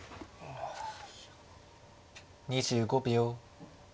２５秒。